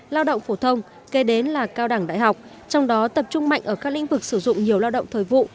lao động phổ thông kế đến là cao đẳng đại học trong đó tập trung mạnh ở các lĩnh vực sử dụng nhiều lao động thời vụ